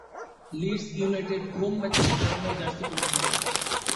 Leeds United home ম্যাচে সাদা রঙের জার্সি পরিধান করে।